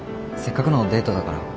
せっかくのデートだから。